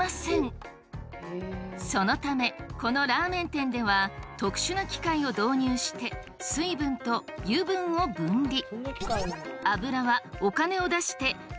そのためこのラーメン店では特殊な機械を導入して水分と油分を分離。